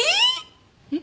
えっ？